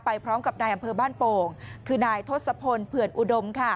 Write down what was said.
พร้อมกับนายอำเภอบ้านโป่งคือนายทศพลเผื่อนอุดมค่ะ